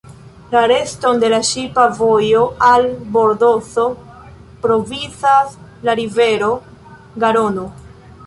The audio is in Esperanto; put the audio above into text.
La reston de la ŝipa vojo al Bordozo provizas la rivero Garono.